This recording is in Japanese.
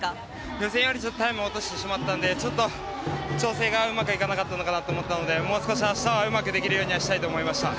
予選よりタイムを落としてしまったのでちょっと調整がうまくいかなかったのかなと思ったのでもう少し明日はうまくできるようにしたいと思いました。